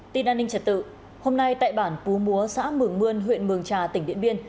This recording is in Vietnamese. tin an ninh trật tự hôm nay tại bản púa xã mường mươn huyện mường trà tỉnh điện biên